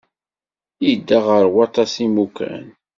Yedda ɣer waṭas n yimukan.